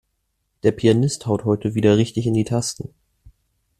Der Pianist haut heute wieder richtig in die Tasten.